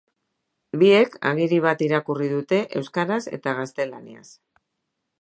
Biek agiri bat irakurri dute euskaraz eta gaztelaniaz.